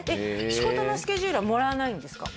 仕事のスケジュールはもらわないんですか？